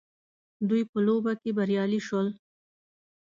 دوی په لوبه کي بريالي سول